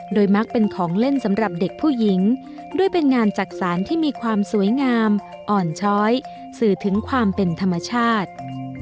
มักเป็นของเล่นสำหรับเด็กผู้หญิงด้วยเป็นงานจักษานที่มีความสวยงามอ่อนช้อยสื่อถึงความเป็นธรรมชาติ